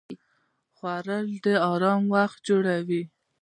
خوړل د آرام وخت جوړوي